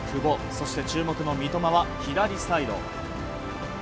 そして注目の三笘は左サイド。